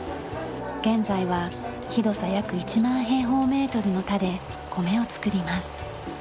現在は広さ約１万平方メートルの田で米を作ります。